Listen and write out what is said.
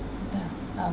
đó là một cái kỹ năng